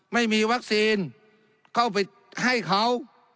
ไม่มีวัคซีนเข้าไปให้เขา